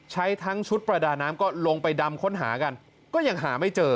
ใช้ทั้งชุดประดาน้ำก็ลงไปดำค้นหากันก็ยังหาไม่เจอ